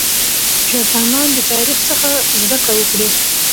چې افغانان د تاریخ څخه زده کړه وکړي